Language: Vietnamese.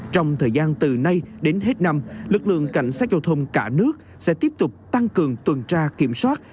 trong thời gian từ nay đến hết năm lực lượng cảnh sát giao thông cả nước sẽ tiếp tục tăng cường tuần tra kiểm soát